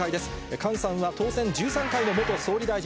菅さんは、当選１３回の元総理大臣。